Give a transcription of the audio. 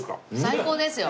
最高ですよ。